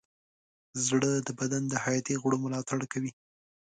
زړه د بدن د حیاتي غړو ملاتړ کوي.